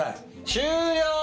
終了！